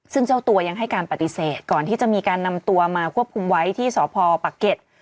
ซึ่งเจ้าตัวยังให้การปฏิเสธก่อนที่จะมีการนำตัวมาควบคุมไว้ที่สพปะเก็ต